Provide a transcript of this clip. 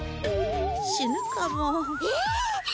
死ぬかもえっ？